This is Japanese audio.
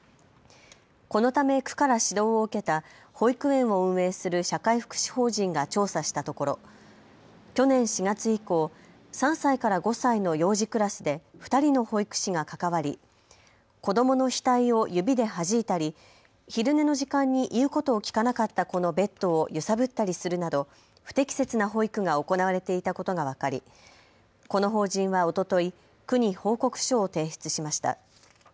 このため区から指導を受けた保育園を運営する社会福祉法人が調査したところ去年４月以降、３歳から５歳の幼児クラスで２人の保育士が関わり子どもの額を指ではじいたり、昼寝の時間に言うことを聞かなかった子のベッドを揺さぶったりするなど不適切な保育が行われていたことが分かりこの法人はおととい、区に報告書を提出しました。